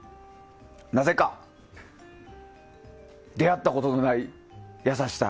なぜか、出会ったことのない優しさ。